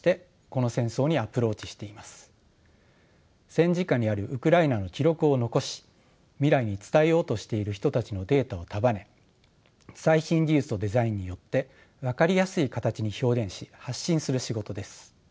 戦時下にあるウクライナの記録を残し未来に伝えようとしている人たちのデータを束ね最新技術とデザインによって分かりやすい形に表現し発信する仕事です。